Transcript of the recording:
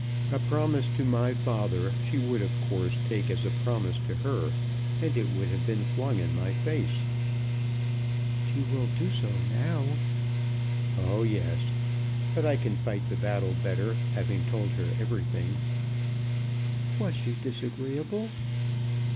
A promise to my father she would of course take as a promise to her, and it would have been flung in my face." "She will do so now." "Oh, yes; but I can fight the battle better, having told her everything." "Was she disagreeable?"